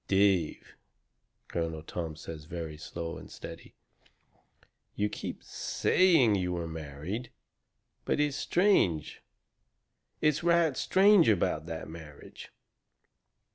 "Dave," Colonel Tom says very slow and steady, "you keep SAYING you were married. But it's strange it's right STRANGE about that marriage."